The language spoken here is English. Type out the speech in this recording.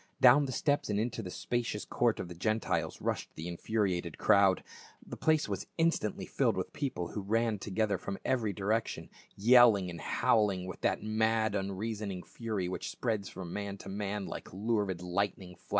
Down the steps and into the spacious court of the Gentiles rushed the infuriated crowd ; the place was instantly filled with people, who ran together from every direction yelling and howling with that mad unreasoning fury which spreads from man to man like lurid lightning fla.